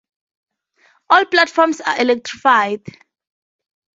All platforms are electrified.